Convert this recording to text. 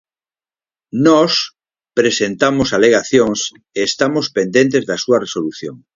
Nós presentamos alegacións e estamos pendentes da súa resolución.